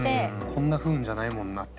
こんな不運じゃないもんなって。